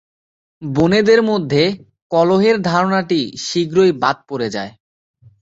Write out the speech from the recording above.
বোনেদের মধ্যে কলহের ধারণাটি শীঘ্রই বাদ পড়ে যায়।